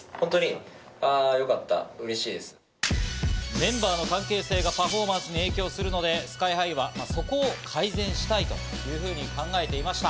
メンバーの関係性がパフォーマンスに影響するのでＳＫＹ−ＨＩはそこを改善したいというふうに考えていました。